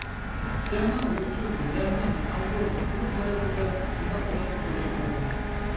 پىچاننىڭ لۈكچۈن، لەمجىن، خاندۇ، تۇيۇق تەرەپلىرىدە شۇنداق تەلەپپۇزدا گەپ قىلىدۇ.